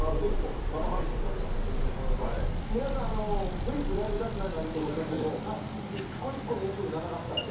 フリップだいぶ出してないのあると思いますけど１個１個のエピソード長かったんで。